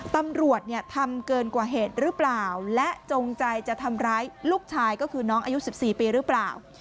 ตำรวจเนี่ยทำเกินกว่าเหตุหรือเปล่าและจงใจจะทำร้ายลูกชายก็คือน้องอายุ๑๔ปีหรือเปล่า